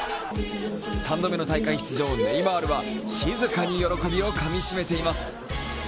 ３度目の大会出場、ネイマールは静かに喜びをかみしめています。